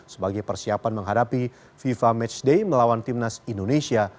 sebagai persiapan menghadapi fifa matchday melawan tim nas indonesia